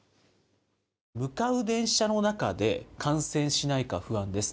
向かう電車の中で感染しないか不安です。